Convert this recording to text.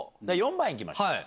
４番行きましょう。